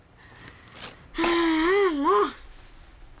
ああもう！